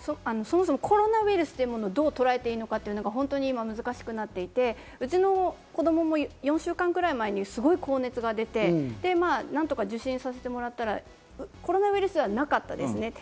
そもそもコロナウイルスをどう捉えていいのか難しくなっていて、うちの子供も４週間くらい前にすごく高熱が出て、何とか受診させてもらったらコロナウイルスではなかったですね。